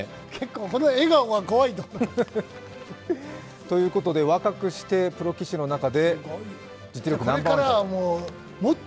この笑顔が怖い。ということで、若くしてプロ棋士の中で実力ナンバーワンと。